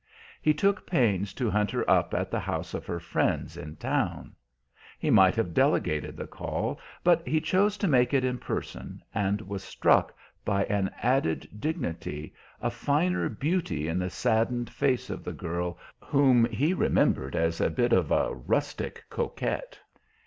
He took pains to hunt her up at the house of her friends in town. He might have delegated the call, but he chose to make it in person, and was struck by an added dignity, a finer beauty in the saddened face of the girl whom he remembered as a bit of a rustic coquette.